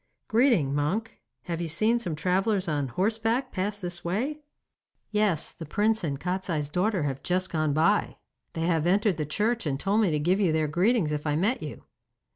'Greeting, monk. Have you seen some travellers on horseback pass this way?' 'Yes, the prince and Kostiei's daughter have just gone by. They have entered the church, and told me to give you their greetings if I met you.